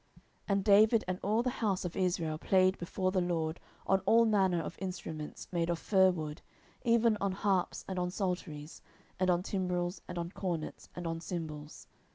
10:006:005 And David and all the house of Israel played before the LORD on all manner of instruments made of fir wood, even on harps, and on psalteries, and on timbrels, and on cornets, and on cymbals.